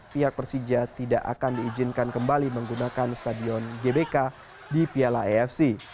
pihak persija tidak akan diizinkan kembali menggunakan stadion gbk di piala efc